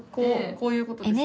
こういうことですよね。